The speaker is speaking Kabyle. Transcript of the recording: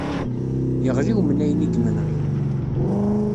Yeɣli wemnay-nni deg yimenɣi.